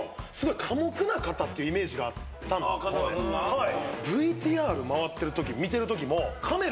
はい。